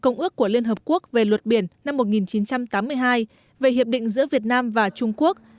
công ước của liên hợp quốc về luật biển năm một nghìn chín trăm tám mươi hai về hiệp định giữa việt nam và trung quốc